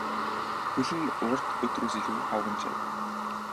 Хөл нь урд өдрөөс илүү хавагнажээ.